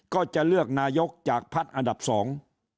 ก็จะเลือกนายกจากพักอันดับสอง